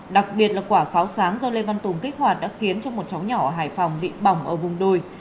đặc biệt là quả pháo sáng do lê văn tùng kích hoạt đã khiến cho một cháu nhỏ ở hải phòng bị bỏng ở vùng đôi